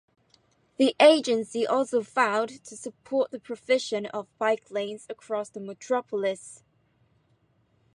The agency also vowed to support the provision of bike lanes across the metropolis.